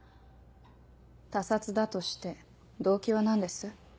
他殺だとして動機は何です？